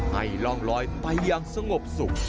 ร่องลอยไปอย่างสงบสุข